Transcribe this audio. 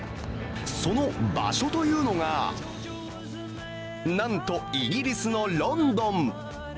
その場所というのが、なんとイギリスのロンドン。